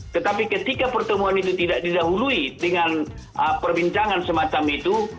tetapi ketika pertemuan itu tidak didahului dengan perbincangan semacam itu